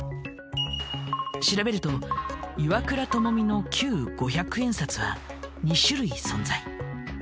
調べると岩倉具視の旧五百円札は２種類存在。